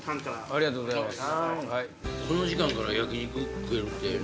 ありがとうございます。